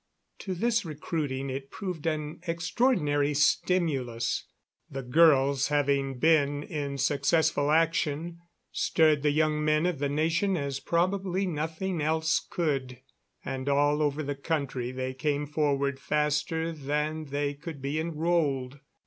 To this recruiting it proved an extraordinary stimulus. The girls, having been in successful action, stirred the young men of the nation as probably nothing else could, and all over the country they came forward faster than they could be enrolled.